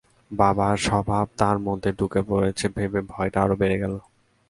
বাবার স্বভাব তার মধ্যে ঢুকে পড়েছে ভেবে ভয়টা আরও বেড়ে গেল।